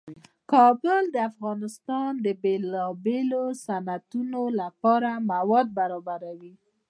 کابل د افغانستان د بیلابیلو صنعتونو لپاره مواد برابروي.